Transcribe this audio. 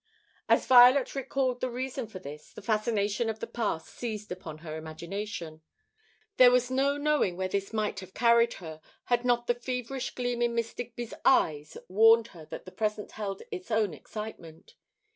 As Violet recalled the reason for this, the fascination of the past seized upon her imagination. There was no knowing where this might have carried her, had not the feverish gleam in Miss Digby's eyes warned her that the present held its own excitement.